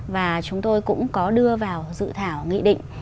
và chúng tôi cũng có đưa vào dự thảo nghị định